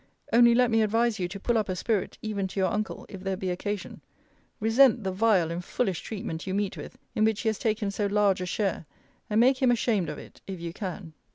Only let me advise you to pull up a spirit, even to your uncle, if there be occasion. Resent the vile and foolish treatment you meet with, in which he has taken so large a share, and make him ashamed of it, if you can.